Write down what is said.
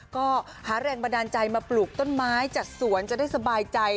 ก็หาแรงบันดาลใจมาปลูกต้นไม้จัดสวนจะได้สบายใจ